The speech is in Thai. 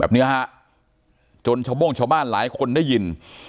เนี้ยฮะจนชาวโบ้งชาวบ้านหลายคนได้ยิน